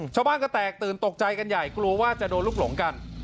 ชาวบ้านก็แตกตื่นตกใจกันใหญ่กลัวว่าจะโดนลูกหลงกัน